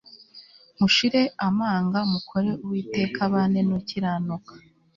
Mushire amanga mukore Uwiteka abane nukiranuka